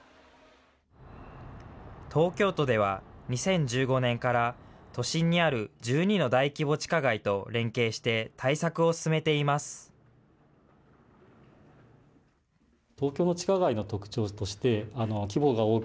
東京都では２０１５年から、都心にある１２の大規模地下街と連携して対策を進めています。